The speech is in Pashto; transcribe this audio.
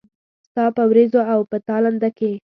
ستا په ورېځو او په تالنده کې